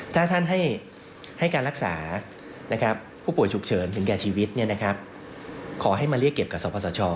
ถ้าท่านให้การรักษาผู้ป่วยฉุกเฉินถึงแก่ชีวิตขอให้มาเรียกเก็บกับสภสช